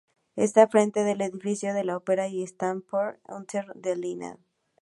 Está enfrente del edificio de la ópera o Staatsoper Unter den Linden.